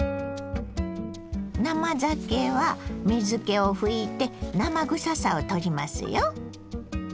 生ざけは水けを拭いて生臭さをとりますよ。